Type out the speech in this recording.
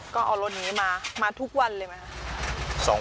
ก็เอารถนี้มามาพรุ่งวันเลยไหมครับ